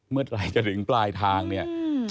เมื่อไหร่จะถึงปลายทางเนี่ย